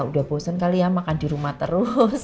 ya udah bosan kali ya makan di rumah terus